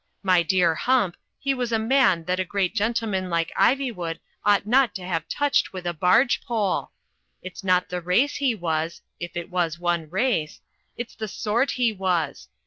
My dear Hump, he was a man that a great gentleman like Ivy wood ought not to have touched with a barge pole. It's not the race he was — ^if it was one race — it's the Sort he was.